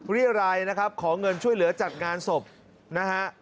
เรียรายนะครับขอเงินช่วยเหลือจัดงานศพนะฮะ